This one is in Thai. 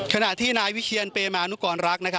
ขณะที่นายวิเชียนเปมานุกรรัก